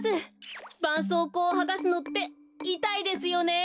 ばんそうこうをはがすのっていたいですよね。